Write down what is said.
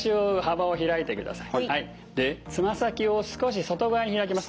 でつま先を少し外側に開きます。